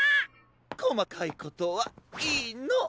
こまかいことはいいの。